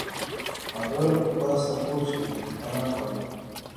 هغه په پاسته کوچ کې ارام کاوه.